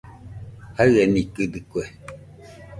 Jaienikɨdɨkue